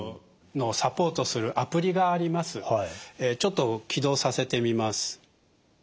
ちょっと起動させてみます。